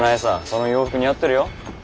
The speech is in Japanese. その洋服似合ってるよ。